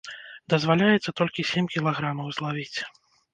Дазваляецца толькі сем кілаграмаў злавіць.